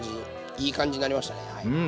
いい感じになりましたねはい。